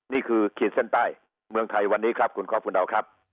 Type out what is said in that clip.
ขีดเส้นใต้เมืองไทยวันนี้ครับคุณก๊อฟคุณดาวครับ